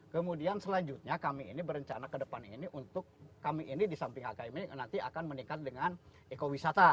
kemudian selanjutnya kami ini berencana ke depan ini untuk kami ini di samping hkm ini nanti akan meningkat dengan ekowisata